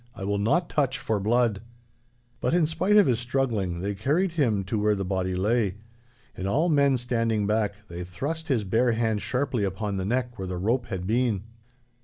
I will not touch for blood!' But in spite of his struggling they carried him to where the body lay. And, all men standing back, they thrust his bare hand sharply upon the neck where the rope had been.